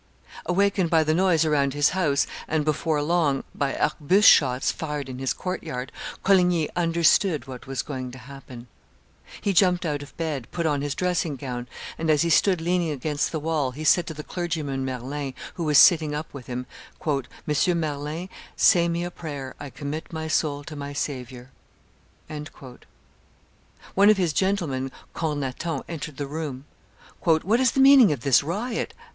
Awakened by the noise around his house, and, before long, by arquebuse shots fired in his court yard, Coligny understood what was going to happen; he jumped out of bed, put on his dressing gown, and, as he stood leaning against the wall, he said to the clergyman, Merlin, who was sitting up with him, "M. Merlin, say me a prayer; I commit my soul to my Saviour." One of his gentlemen, Cornaton, entered the room. "What is the meaning of this riot?"